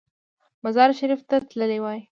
مزار شریف ته تللی وای.